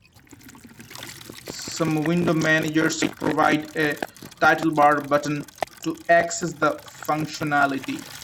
Some window managers provide a titlebar button to access the functionality.